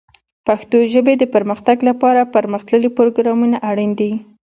د پښتو ژبې د پرمختګ لپاره پرمختللي پروګرامونه اړین دي.